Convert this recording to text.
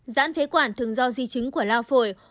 giãn phế quản thường do di chứng của lao phổi